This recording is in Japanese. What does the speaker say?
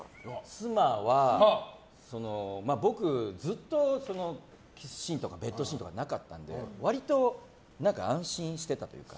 妻は僕、ずっとキスシーンとかベッドシーンとかなかったので割と安心してたというか。